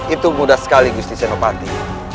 itu mudah sekali gusti senopalit